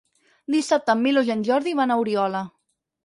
Dissabte en Milos i en Jordi van a Oriola.